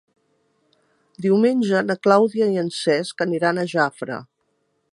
Diumenge na Clàudia i en Cesc aniran a Jafre.